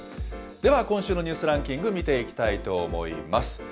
では今週のニュースランキング、見ていきたいと思います。